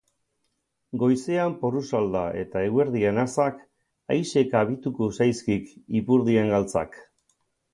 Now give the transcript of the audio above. Goizean porrusalda eta eguerdian azak, aise kabituko zaizkik ipurdian galtzak.